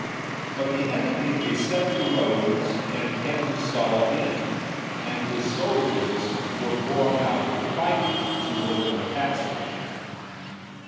5 8 the enemy beset the roads and hemmed Sulla in, and his soldiers were worn out with fighting to open a passage.